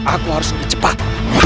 aku harus lebih cepat